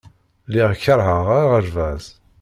Lliɣ keṛheɣ aɣerbaz.